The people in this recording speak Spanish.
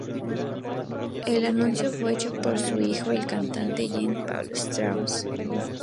El anuncio fue hecho por su hijo el cantante Jean Paul Strauss.